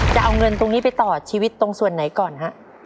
จะเอาเงินตรงนี้ไปต่อชีวิตตรงส่วนไหนก่อนฮะ